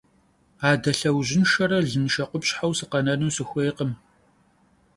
Ade lheujınşşere lınşşe khupşheu sıkhenenu sıxuêykhım.